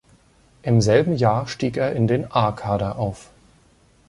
Im selben Jahr stieg er in den A-Kader auf.